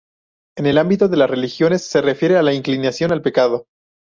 En el ámbito de las religiones, se refiere a la inclinación al pecado.